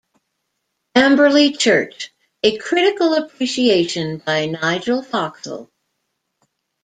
Amberley Church - A Critical Appreciation by Nigel Foxell.